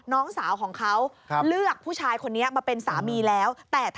น้องสาวของเขาเลือกผู้ชายคนนี้มาเป็นสามีแล้วแต่ถ้า